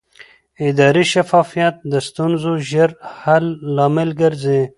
اداري شفافیت د ستونزو ژر حل لامل ګرځي